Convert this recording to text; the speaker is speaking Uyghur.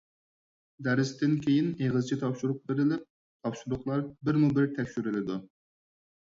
دەرستىن كېيىن ئېغىزچە تاپشۇرۇق بېرىلىپ، تاپشۇرۇقلار بىرمۇبىر تەكشۈرۈلىدۇ.